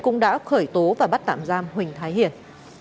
cũng đã khởi tố và bắt tạm giam huỳnh thái hiền